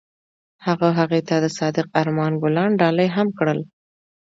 هغه هغې ته د صادق آرمان ګلان ډالۍ هم کړل.